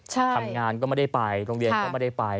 ทำงานก็ไม่ได้ไปโรงเรียนก็ไม่ได้ไป